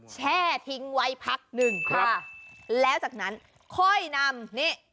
แช่ทิ้งไว้พักหนึ่งครับแล้วจากนั้นค่อยนำนี่